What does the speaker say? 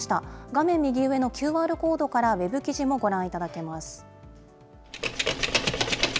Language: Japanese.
画面右上のＱＲコードからウェブ記事もご覧いただけます。